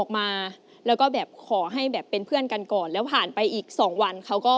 ไม่บอกเองนะ